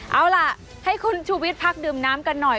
เอาล่ะให้คุณชูวิทย์พักดื่มน้ำกันหน่อย